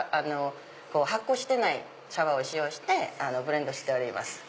発酵してない茶葉を使用してブレンドしております。